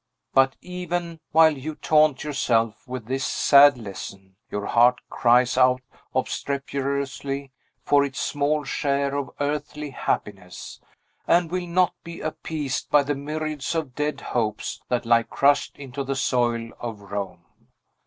But, even while you taunt yourself with this sad lesson, your heart cries out obstreperously for its small share of earthly happiness, and will not be appeased by the myriads of dead hopes that lie crushed into the soil of Rome.